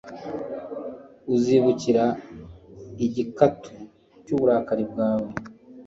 uzibukira igikatu cy'uburakari bwawe